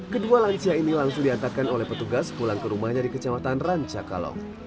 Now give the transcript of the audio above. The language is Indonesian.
kedua lansia ini langsung diantarkan oleh petugas pulang ke rumahnya di kecamatan rancakalong